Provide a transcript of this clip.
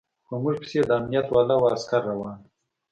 په موږ پسې د امنيت والاو عسکر روان و.